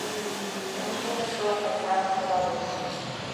The machine was broken, that much was obvious.